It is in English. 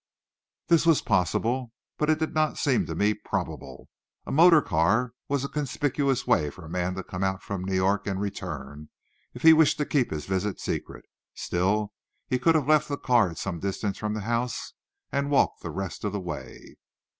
This was possible; but it did not seem to me probable. A motor car was a conspicuous way for a man to come out from New York and return, if he wished to keep his visit secret. Still, he could have left the car at some distance from the house, and walked the rest of the way.